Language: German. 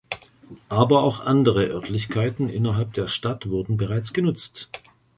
Aber auch andere Örtlichkeiten innerhalb der Stadt wurden bereits genutzt.